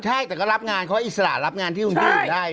ใช่แต่ก็รับงานเขาอิสระรับงานที่คุณได้ค่ะ